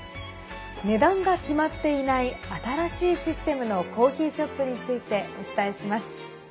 値段が決まっていない新しいシステムのコーヒーショップについてお伝えします。